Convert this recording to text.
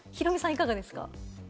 いかがですか？